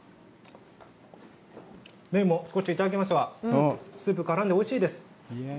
麺も少しいただきますが、スープ絡んでおいしいです。